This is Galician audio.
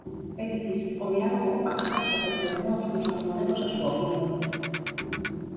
É dicir, o diálogo aquí pasa por que nós nos acomodemos á súa opinión.